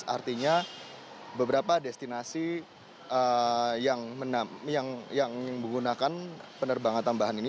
artinya beberapa destinasi yang menggunakan penerbangan tambahan ini